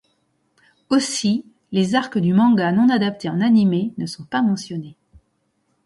Aussi, les arcs du manga non adaptés en anime ne sont pas mentionnés.